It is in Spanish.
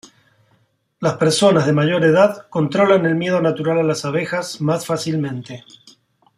Las personas de mayor edad controlan el miedo natural a las abejas más fácilmente.